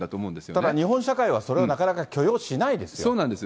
ただ日本社会はそれはなかなそうなんです。